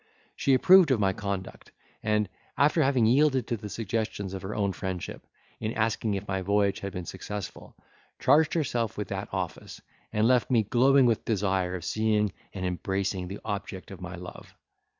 She approved of my conduct, and, after having yielded to the suggestions of her own friendship, in asking if my voyage had been successful, charged herself with that office, and left me glowing with desire of seeing and embracing the object of my love.